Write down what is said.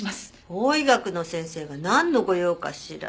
法医学の先生がなんのご用かしら？